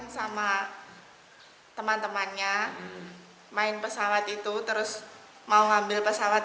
sama teman temannya main pesawat itu terus mau ngambil pesawat